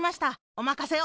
おまかせを！